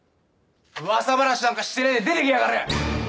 噂話なんかしてねぇで出てきやがれ！